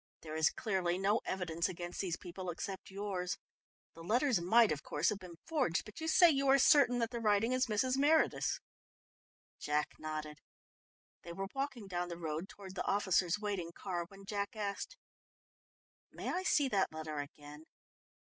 There is clearly no evidence against these people, except yours. The letters might, of course, have been forged, but you say you are certain that the writing is Mrs. Meredith's." Jack nodded. They were walking down the road towards the officers' waiting car, when Jack asked: "May I see that letter again?"